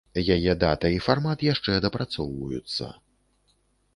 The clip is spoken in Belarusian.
Яе дата і фармат яшчэ дапрацоўваюцца.